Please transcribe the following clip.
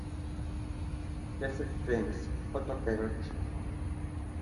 Jesse James: Hot Rod Garage